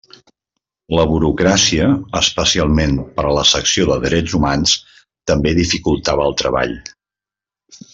La burocràcia, especialment per a la secció de drets humans, també dificultava el treball.